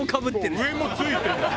そう上もついてる。